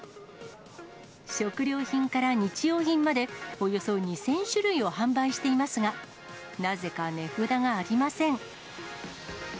食料品から日用品まで、およそ２０００種類を販売していますが、なぜか値札がありません。